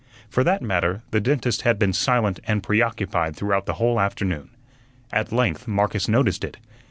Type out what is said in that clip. For that matter, the dentist had been silent and preoccupied throughout the whole afternoon. At length Marcus noticed it.